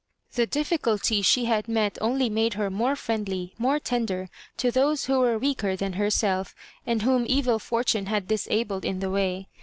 The diffi culties she had met only made her more friendly, more tender, to those who were weaker than her self, and whom evil fortune had disabled in the way.